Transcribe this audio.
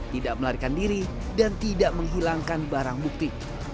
tidak melarikan diri dan tidak menghilangkan barang bukti